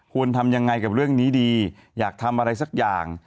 ทำยังไงกับเรื่องนี้ดีอยากทำอะไรสักอย่าง